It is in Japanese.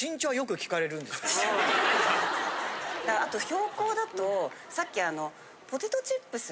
あと標高だとさっき。